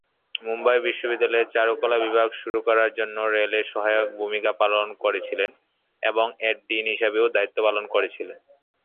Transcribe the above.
মুম্বাই বিশ্ববিদ্যালয়ের চারুকলা বিভাগ শুরু করার জন্য রেলে সহায়ক ভূমিকা পালন করেছিলেন এবং এর ডিন হিসাবেও দায়িত্ব পালন করেছিলেন।